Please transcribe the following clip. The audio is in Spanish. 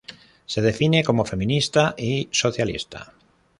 Se define como feminista y socialista.